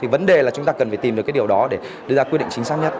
vấn đề là chúng ta cần tìm được điều đó để đưa ra quyết định chính xác nhất